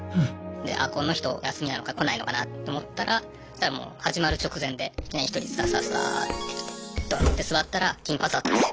であこの人休みなのか来ないのかなと思ったらしたらもう始まる直前でいきなり１人ですたすたすたって来てどんって座ったら金髪だったんですよ。